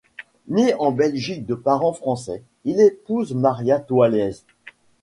Né en Belgique de parents français, il épouse Maria Toilliez.